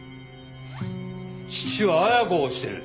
父は亜矢子を推してる。